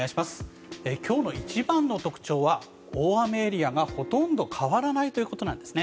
今日の一番の特徴は大雨エリアがほとんど変わらないというところです。